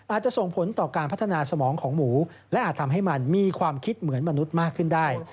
อาจจะส่งผลต่อการพัฒนาสมองของหมูและอาจทำให้มันมีความคิดเหมือนมนุษย์มากขึ้นได้